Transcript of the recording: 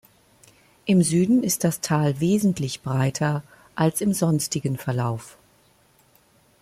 Im Süden ist das Tal wesentlich breiter als im sonstigen Verlauf.